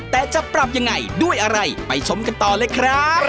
แต่จะปรับยังไงด้วยอะไรไปชมกันต่อเลยครับ